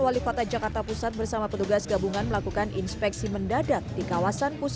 lampu lampu lampu